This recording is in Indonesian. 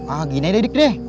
ah gini deh dedek deh